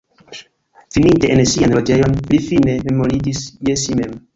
Veninte en sian loĝejon, li fine memoriĝis je si mem.